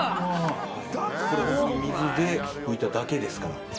これホントに水で拭いただけですから。